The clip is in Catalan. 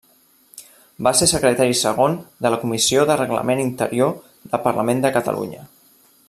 Va ser secretari segon de la comissió de Reglament Interior del Parlament de Catalunya.